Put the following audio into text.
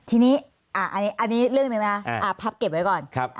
ทีนี้อันนี้เรื่องหนึ่งนะพับเก็บไว้ก่อน